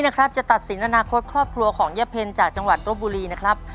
นะครับจะตัดสินอนาคตครอบครัวของยะเพ็ญจากจังหวัดรบบุรีนะครับ